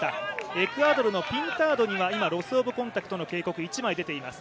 エクアドルのピンタードには今、ロス・オブ・コンタクトの警告、１枚出ています。